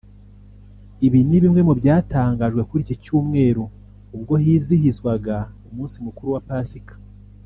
Ibi ni bimwe mu byatangajwe kuri ikicyumweru ubwo hizihizwaga umunsi mukuru wa Pasika